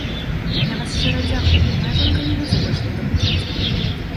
Я вас шчыра дзякую, а мая жонка не будзе больш надакучаць вам.